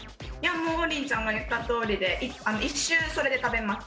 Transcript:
王林ちゃんが言ったとおりで１周それで食べます。